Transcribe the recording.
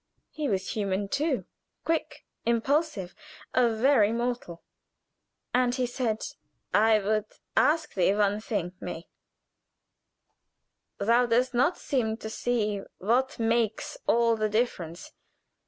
He was human too quick, impulsive, a very mortal. And he said: "I would ask thee one thing, May. Thou dost not seem to see what makes all the difference.